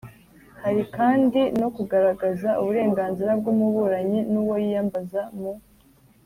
Hari kandi no kugaragaza uburenganzira bw'umuburanyi, n'uwo yiyambaza mu